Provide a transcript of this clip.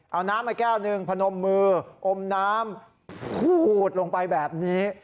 เอาน้ำมาแก้วหนึ่งพนมมืออมน้ำขูดลงไปแบบนี้